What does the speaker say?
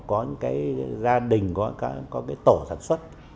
có những cái gia đình có cái tổ sản xuất